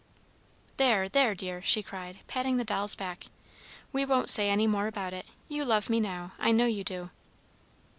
"There, there, dear!" she cried, patting the doll's back, "we won't say any more about it. You love me now, I know you do!"